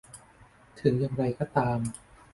ถึงอย่างไรก็ตาม